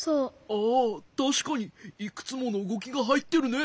ああたしかにいくつものうごきがはいってるね。